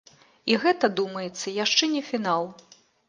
І гэта, думаецца, яшчэ не фінал.